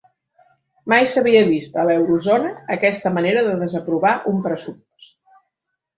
Mai s'havia vist a l'Eurozona aquesta manera de desaprovar un pressupost